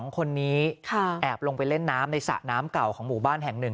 ๒คนนี้แอบลงไปเล่นน้ำในสระน้ำเก่าของหมู่บ้านแห่งหนึ่ง